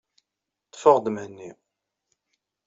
Ḍḍfeɣ-d Mhenni.